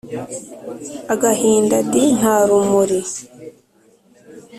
Agahinda d nta rumuri